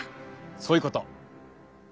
そういうこと。